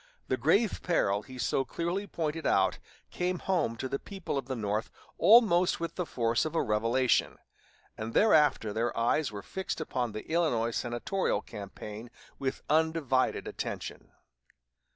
The grave peril he so clearly pointed out came home to the people of the North almost with the force of a revelation; and thereafter their eyes were fixed upon the Illinois senatorial campaign with undivided attention.